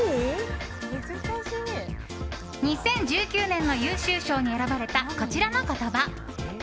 ２０１９年の優秀賞に選ばれたこちらの言葉。